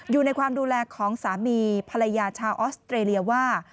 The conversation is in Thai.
อยู่ในความดูแลของสามีภรรยาชาวออสเตรเลียว่า